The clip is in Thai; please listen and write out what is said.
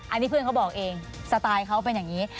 อันนี้เพื่อนเขาบอกเองสไตล์เขาเป็นอย่างนี้